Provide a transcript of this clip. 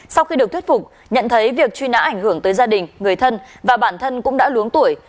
sau khi được thuyết phục nhận thấy việc truy nã ảnh hưởng tới gia đình người thân và bản thân cũng đã luống tuổi